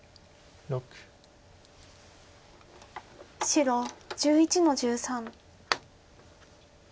白１１の十三。